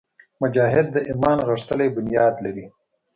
مجاهد د ایمان غښتلی بنیاد لري.